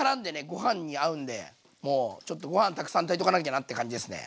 ごはんに合うんでもうちょっとごはんたくさん炊いとかなきゃなって感じですね。